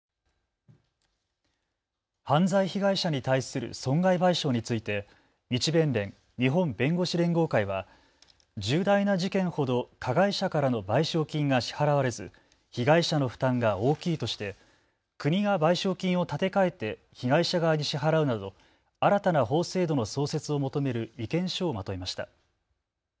犯罪被害者に対する損害賠償について日弁連・日本弁護士連合会は重大な事件ほど加害者からの賠償金が支払われず被害者の負担が大きいとして国が賠償金を立て替えて被害者側に支払うなど新たな法制度の創設を求める意見書をまとめました。